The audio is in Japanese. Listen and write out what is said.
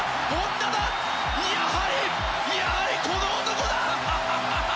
やはり、やはりこの男だ！